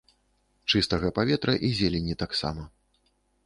Чыстага паветра і зелені таксама.